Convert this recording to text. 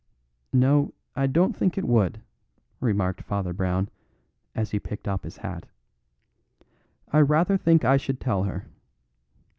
"No, I don't think it would," remarked Father Brown, as he picked up his hat. "I rather think I should tell her.